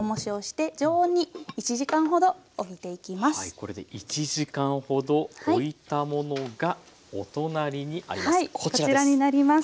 これで１時間ほどおいたものがお隣にあります。